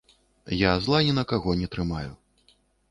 Я зла ні на каго не трымаю.